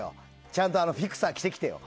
ちゃんとフィクサー着てきてよ。